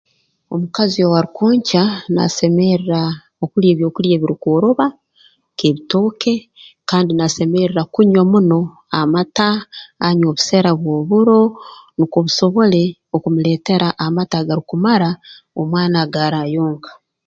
Omukazi owaarukwonkya naasemerra okulya ebyokulya ebirukworoba nk'ebitooke kandi naasemerra kunywa muno amata anywe obusera bw'oburo nukwo busobole okumuleetera amata agarukumara omwana aga rayonka